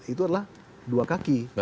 itu adalah dua kaki